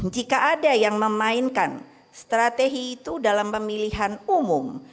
jika ada yang memainkan strategi itu dalam pemilihan umum